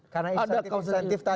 karena ada insentif insentif tadi